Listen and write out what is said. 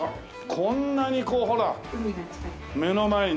こんなにこうほら目の前に。